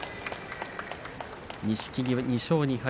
錦木、２勝２敗